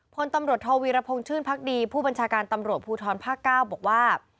พลตำรวจโทวีรพงศ์ชื่นพักดีผู้บัญชาการตำรวจภูทรภาค๙บอกว่า